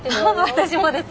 私もです。